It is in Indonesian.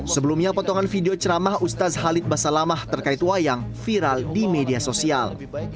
sebelumnya potongan video ceramah ustaz halid basalamah terkait wayang viral di media sosial